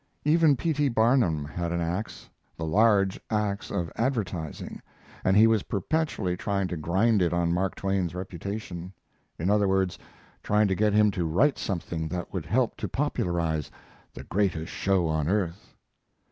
Even P. T. Barnum had an ax, the large ax of advertising, and he was perpetually trying to grind it on Mark Twain's reputation; in other words, trying to get him to write something that would help to popularize "The Greatest Show on Earth."